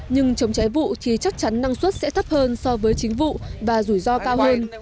nhưng trồng trái vụ thì chắc chắn năng suất sẽ thấp hơn so với chính vụ và rủi ro cao hơn